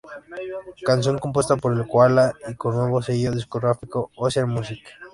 Canción compuesta por El Koala y con nuevo sello discográfico Ocean Music.